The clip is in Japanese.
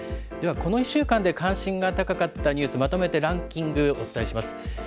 ではこの１週間で関心が高かったニュース、まとめてランキング、お伝えします。